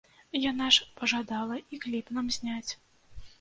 Яна ж пажадала і кліп нам зняць.